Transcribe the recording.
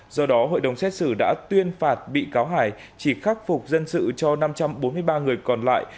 do đó hội đồng xét xử đã tuyên phạt bị cáo hải chỉ khắc phục dân sự cho năm trăm bốn mươi ba người còn lại